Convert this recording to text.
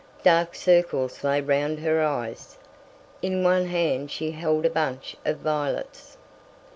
Dark circles lay round her eyes. In one hand she held a bunch of violets.